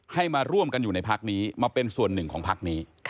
แต่ร่วมกันอยู่ในภักดิ์นี้มาเป็นส่วนหนึ่งของภักดิ์นี้